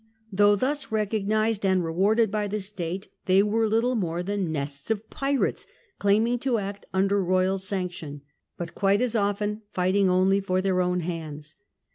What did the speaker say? Though thus recognized and re warded by the state, they were little more than nests of The Cinque pirates, claiming to act under royal sanction, Ports. but quite as often fighting only for their own hands.